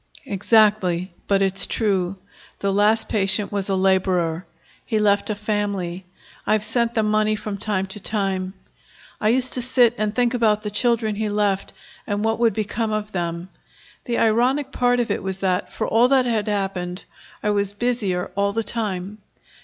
"Exactly; but it's true. The last patient was a laborer. He left a family. I've sent them money from time to time. I used to sit and think about the children he left, and what would become of them. The ironic part of it was that, for all that had happened, I was busier all the time.